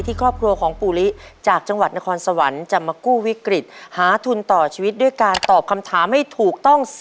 ครอบครัวของปูลิจากจังหวัดนครสวรรค์จะมากู้วิกฤตหาทุนต่อชีวิตด้วยการตอบคำถามให้ถูกต้อง